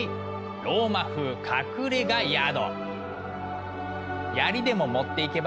ローマ風隠れが宿。